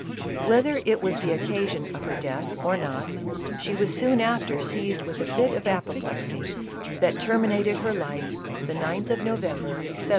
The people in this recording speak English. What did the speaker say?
Whether it was the occasion of her death or not, she was soon after seized with a fit of apoplexy, that terminated her life, the 9th of November, 1796.